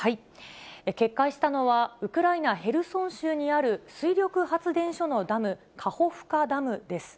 決壊したのはウクライナ・ヘルソン州にある水力発電所のダム、カホフカダムです。